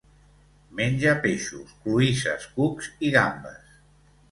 Menja peixos, cloïsses, cucs i gambes.